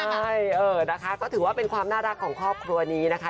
ใช่เออนะคะก็ถือว่าเป็นความน่ารักของครอบครัวนี้นะคะ